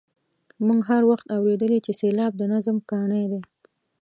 موږ هر وخت اورېدلي چې سېلاب د نظم کاڼی دی.